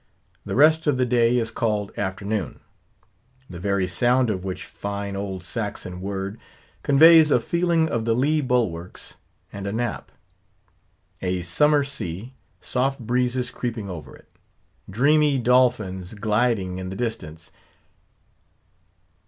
The rest of the day is called afternoon; the very sound of which fine old Saxon word conveys a feeling of the lee bulwarks and a nap; a summer sea—soft breezes creeping over it; dreamy dolphins gliding in the distance.